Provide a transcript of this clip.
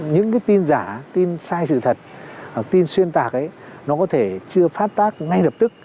những cái tin giả tin sai sự thật tin xuyên tạc ấy nó có thể chưa phát tác ngay lập tức